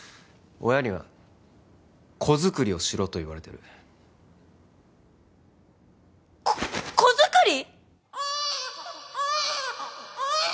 親には子づくりをしろと言われてるこっ子づくり！？